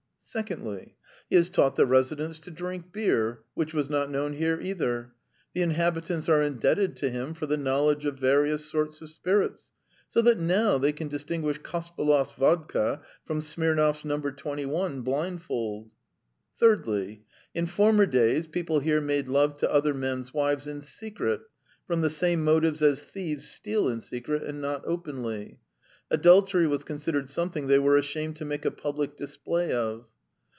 Secondly, he has taught the residents to drink beer, which was not known here either; the inhabitants are indebted to him for the knowledge of various sorts of spirits, so that now they can distinguish Kospelov's vodka from Smirnov's No. 21, blindfold. Thirdly, in former days, people here made love to other men's wives in secret, from the same motives as thieves steal in secret and not openly; adultery was considered something they were ashamed to make a public display of.